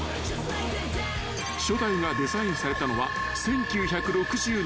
［初代がデザインされたのは１９６０年］